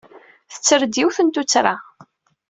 Tetter-d yiwet n tuttra.